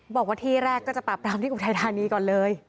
บอกว่าที่แรกก็จะปราบรามที่อุทัยธานีก่อนเลย